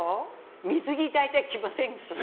水着、大体着ません。